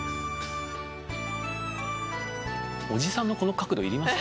おじさんのこの角度いります？